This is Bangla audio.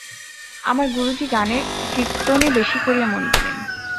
আবার গুরুজি গানে কীর্তনে বেশি করিয়া মন দিলেন।